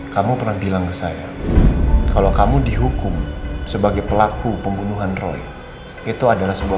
kamu pernah bilang ke saya kalau kamu dihukum sebagai pelaku pembunuhan roy itu adalah sebuah